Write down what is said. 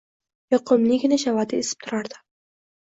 Yoqimligina shabada esib turardi.